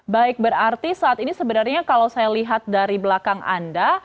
baik berarti saat ini sebenarnya kalau saya lihat dari belakang anda